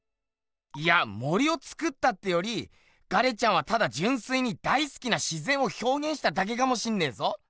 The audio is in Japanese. いや森をつくったってよりガレちゃんはただじゅんすいに大すきな自ぜんをひょうげんしただけかもしんねえぞ。